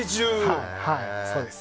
そうです。